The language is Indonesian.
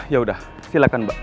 yaudah silakan mbak